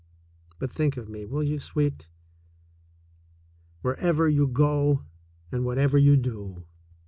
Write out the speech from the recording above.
But think of me, will you, sweet, wherever you go and whatever you do